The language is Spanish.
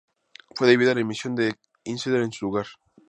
Fue debido a la emisión de The Insider en su lugar.